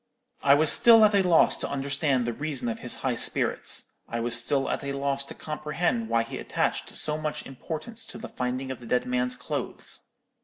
"I was still at a loss to understand the reason of his high spirits; I was still at a loss to comprehend why he attached so much importance to the finding of the dead man's clothes.